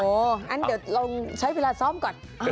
โอ้โหอันนี้เดี๋ยวเราใช้เวลาซ้อมก่อน